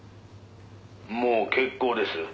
「もう結構です」